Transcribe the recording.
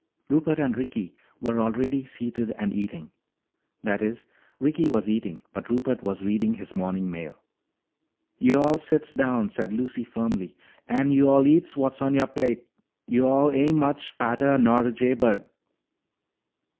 Rupert and Ricky were already seated and eating. That is, Ricky was eating, but Rupert was reading his morning mail. "Yo'all sits down," said Lucy firmly, "an' yo'all eats what's on youah plate. Yo'all ain' much fattah nor a jay bird."